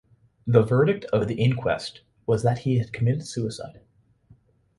The verdict of the inquest was that he had committed suicide.